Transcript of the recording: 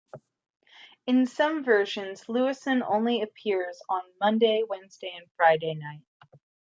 In some versions, Luison only appears on Monday, Wednesday, and Friday night.